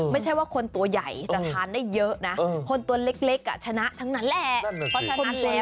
ไม่ใช่ว่าคนตัวใหญ่จะทานได้เยอะนะคนตัวเล็กชนะทั้งนั้นแหละ